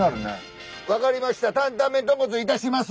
分かりました！